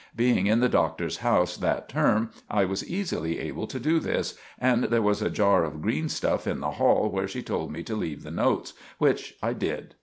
Being in the Doctor's house that term I was easily able to do this, and there was a jar of green stuff in the hall where she told me to leave the notes, which I did.